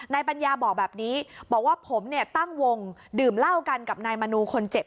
ปัญญาบอกแบบนี้บอกว่าผมเนี่ยตั้งวงดื่มเหล้ากันกับนายมนูคนเจ็บ